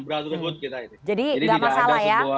jadi nggak masalah ya